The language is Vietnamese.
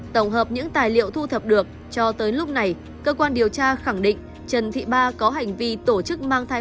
tổng hợp những tài liệu thu thập được cho tới lúc này cơ quan điều tra khẳng định trần thị ba có hành vi tổ chức mang thai